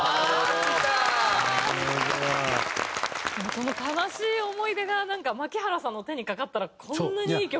その悲しい思い出がなんか槇原さんの手にかかったらこんなにいい曲に。